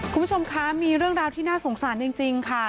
คุณผู้ชมคะมีเรื่องราวที่น่าสงสารจริงค่ะ